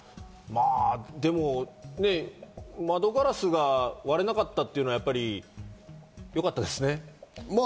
でも、窓ガラスが割れなかったっていうのは、やっぱりよかったですね。